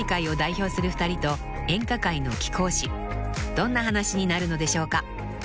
［どんな話になるのでしょうか］